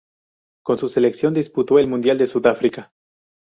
Con su selección disputó el Mundial de Sudáfrica.